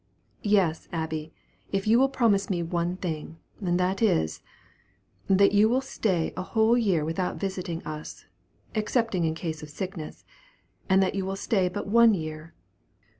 "Yes, Abby, if you will promise me one thing, and that is, that you will stay a whole year without visiting us, excepting in case of sickness, and that you will stay but one year."